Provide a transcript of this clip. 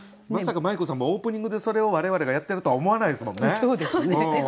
まさかまい子さんもオープニングでそれを我々がやってるとは思わないですもんね。